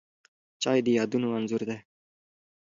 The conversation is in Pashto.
چای د یادونو انځور دی